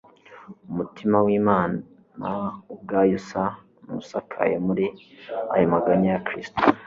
Umutima w'Imana ubwayo usa n'usakaye muri aya maganya ya Kristo.